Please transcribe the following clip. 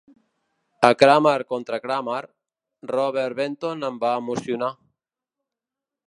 A "Kramer contra Kramer", Robert Benton em va emocionar.